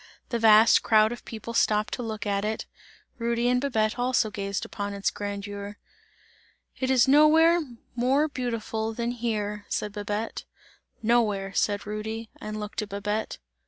The vast crowd of people stopped to look at it, Rudy and Babette also gazed upon its grandeur. "It is nowhere more beautiful than here!" said Babette. "Nowhere!" said Rudy, and looked at Babette.